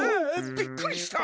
びっくりした！